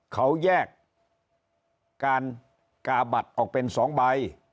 เขาแยกการกาบัตรออกเป็น๒ใบ